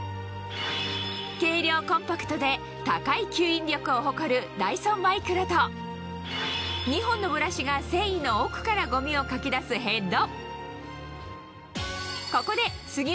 軽量コンパクトで高い吸引力を誇る２本のブラシが繊維の奥からゴミをかき出すヘッド